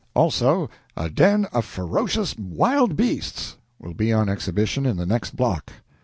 Also A DEN OF FEROCIOUS WILD BEASTS will be on exhibition in the next block.